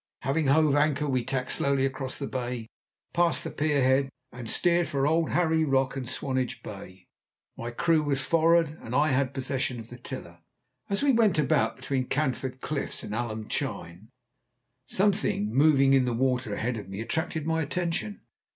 Having hove anchor, we tacked slowly across the bay, passed the pier head, and steered for Old Harry Rock and Swanage Bay. My crew was for'ard, and I had possession of the tiller. As we went about between Canford Cliffs and Alum Chine, something moving in the water ahead of me attracted my attention.